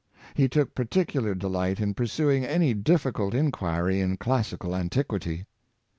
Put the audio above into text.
He took particular delight in pursuing any difficult inquiry in classical antiquity.